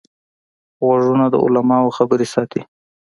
غوږونه د علماوو خبرې ساتي